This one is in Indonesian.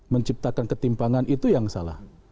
menciptakan ketimpangan itu yang salah